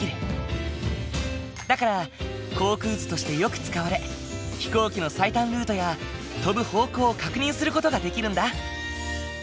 だから航空図としてよく使われ飛行機の最短ルートや飛ぶ方向を確認する事ができるんだ。